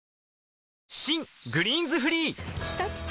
新「グリーンズフリー」きたきた！